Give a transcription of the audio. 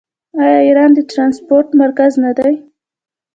آیا ایران د ټرانسپورټ مرکز نه دی؟